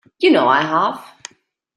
You know I have.